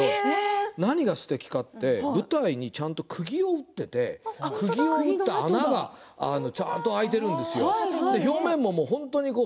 何がすてきかって舞台にちゃんとくぎを打っていて穴がちゃんと開いているんです。